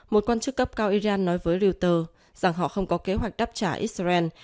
một quan chức cấp cao iran nói với reuters rằng họ không có kế hoạch đáp trả israel